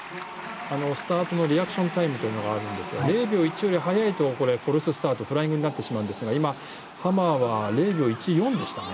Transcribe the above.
スタートのリアクションタイムというのがあるんですが０秒１より速いとフォルススタートフライングになってしまいますがハマーは０秒１４でしたね。